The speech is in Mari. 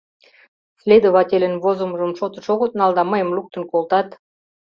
Следовательын возымыжым шотыш огыт нал да мыйым луктын колтат.